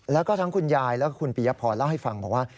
แล้วก็ทั้งคุณยายแล้วก็คุณปียพรเล่าให้ฟังบอกว่า